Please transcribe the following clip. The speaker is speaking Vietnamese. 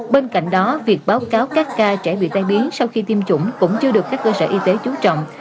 bên cạnh đó việc báo cáo các ca trẻ bị tai biến sau khi tiêm chủng cũng chưa được các cơ sở y tế chú trọng